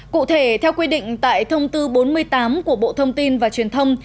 cụ thể theo quy định tại thông tư bốn mươi tám của bộ thông tin và truyền thông